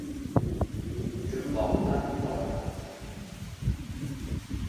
Jumboqdan iborat